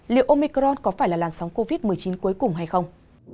liệu omicron có phải là làn sóng covid một mươi chín cuối cùng hay không